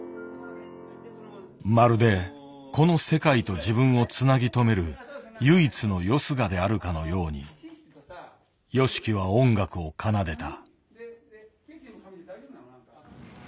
まるでこの世界と自分をつなぎ留める唯一のよすがであるかのようにＹＯＳＨＩＫＩは音楽を奏でた。